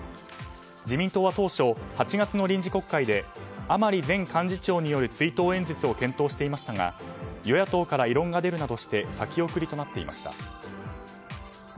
自民党は当初８月の臨時国会で甘利前幹事長による追悼演説を検討していましたが与野党から異論が出るなどして先送りとなっていました。